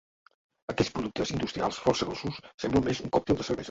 Aquests productes industrials força dolços semblen més un còctel de cervesa.